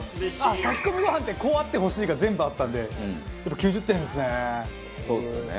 炊き込みご飯ってこうあってほしいが全部あったんで９０点ですね。